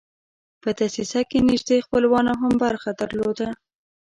په دسیسه کې نیژدې خپلوانو هم برخه درلوده.